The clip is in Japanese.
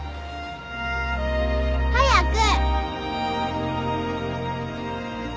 早く。